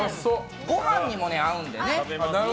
ご飯にも合うのでね。